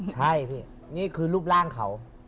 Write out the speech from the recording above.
ใช่พี่นี่คือรูปร่างเขา